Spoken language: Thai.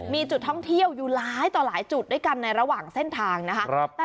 มีจุดท่องเที่ยวอยู่หลายต่อหลายจุดด้วยกันในระหว่างเส้นทางนะคะ